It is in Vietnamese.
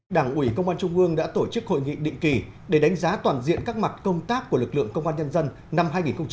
đảng ủy công an trung ương đã tổ chức hội nghị định kỳ để đánh giá toàn diện các mặt công tác của lực lượng công an nhân dân năm hai nghìn hai mươi